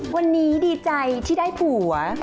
วันนี้ดีใจที่ได้ผัว